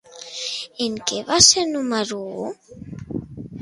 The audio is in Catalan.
En què va ser número u?